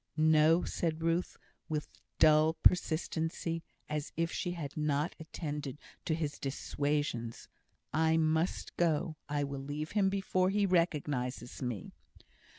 "No!" said Ruth, with dull persistency as if she had not attended to his dissuasions; "I must go. I will leave him before he recognises me."